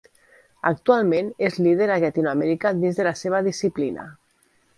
Actualment és líder a Llatinoamèrica dins de la seva disciplina.